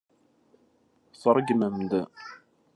Tṛeggmem-d.